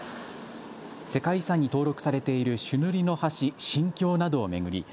世界遺産に登録されている朱塗りの橋、神橋などを巡り